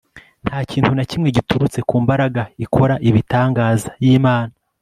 Nta kintu na kimwe giturutse ku mbaraga ikora ibitamgaza yImana